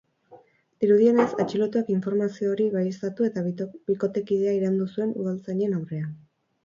Dirudienez, atxilotuak informazioa hori baieztatu eta bikotekidea iraindu zuen udaltzainen aurrean.